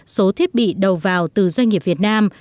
số thiết bị đầu vào từ doanh nghiệp việt nam